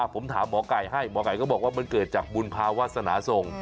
ผมถามหมอไก่ให้หมอไก่ก็บอกว่ามันเกิดจากบุญภาวาสนาทรง